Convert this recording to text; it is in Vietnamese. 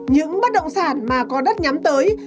những bất động sản mà có đất nhắm tới